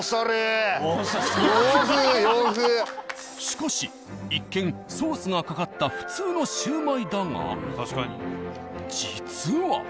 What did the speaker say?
しかし一見ソースがかかった普通のシュウマイだが実は。